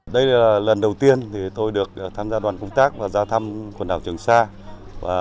đây là lần đầu tiên tôi được tham gia đoàn công tác và ra thăm quần đảo trường sa